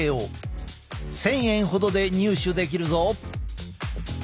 １，０００円ほどで入手できるぞ。